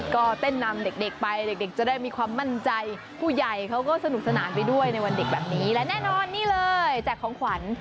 ก็เต้นนำเด็กไปเด็กจะได้มีความมั่นใจผู้ใหญ่เขาก็สนุกสนานไปด้วยในวันเด็กแบบนี้และแน่นอนนี่เลยแจกของขวัญ